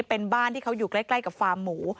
เป็นบ้านที่เขาอยู่ใกล้กับฟาร์มหมู